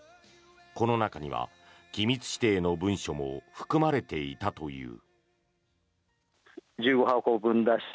この中には機密指定の文書も含まれていたという。